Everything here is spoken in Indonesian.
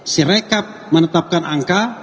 si rekap menetapkan angka